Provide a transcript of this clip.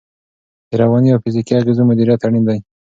د رواني او فزیکي اغېزو مدیریت اړین دی.